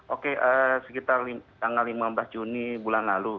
oke sekitar tanggal lima belas juni bulan lalu